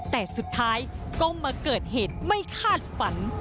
แต่สุดท้ายก็มาเกิดเหตุไม่คาดฝัน